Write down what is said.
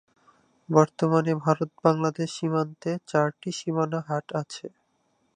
বর্তমানে ভারত-বাংলাদেশ সীমান্তে চারটি সীমানা হাট আছে।